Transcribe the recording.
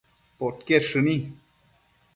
podquied shëni